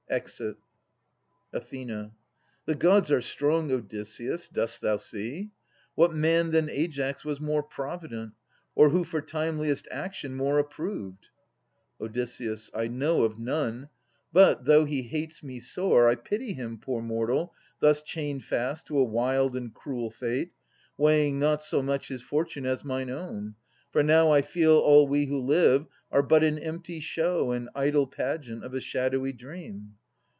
[Exit. Ath. The gods are strong, Odysseus. Dost thou see? What man than Aias was more provident. Or who for timeliest action more approved ? Od. I know of none. But, though he hates me sore, I pity him, poor mortal, thus chained fast To a wild and cruel fate, — weighing not so much His fortune as mine own. For now I feel All we who live are but an empty show And idle pageant of a shadowy dream.